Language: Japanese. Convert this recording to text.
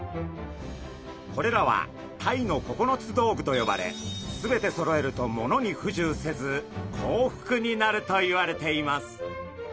これらはタイの９つ道具と呼ばれ全てそろえると物に不自由せず幸福になるといわれています。